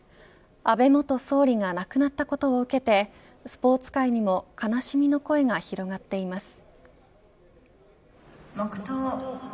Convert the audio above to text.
安倍元総理が亡くなったことを受けてスポーツ界にも悲しみの声が広がっています。